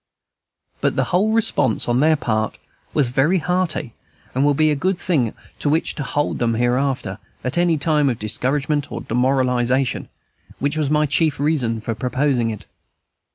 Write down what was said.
But the whole response, on their part, was very hearty, and will be a good thing to which to hold them hereafter, at any time of discouragement or demoralization, which was my chief reason for proposing it.